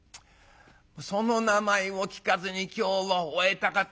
「その名前を聞かずに今日を終えたかったのに。